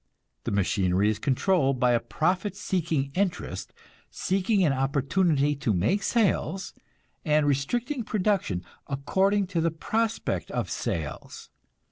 The machinery is controlled by a profit seeking interest, seeking an opportunity to make sales, and restricting production according to the prospect of sales.